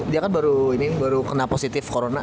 dia kan baru ini baru kena positif corona